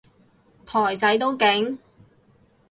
台仔都勁？